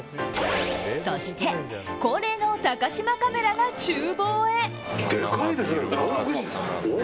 そして恒例の高嶋カメラが厨房へ。